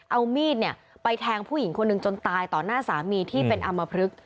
เอามีดไปแทงผู้หญิงคนหนึ่งจนตายต่อหน้าสามีที่เป็นอำมพลึก